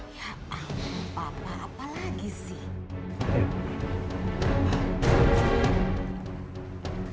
ya ampun papa apa lagi sih